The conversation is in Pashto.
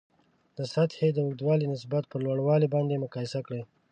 د سطحې د اوږدوالي نسبت پر لوړوالي باندې مقایسه کړئ.